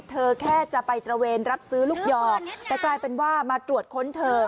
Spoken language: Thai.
เธอแค่จะไปตระเวนรับซื้อลูกยอแต่กลายเป็นว่ามาตรวจค้นเธอ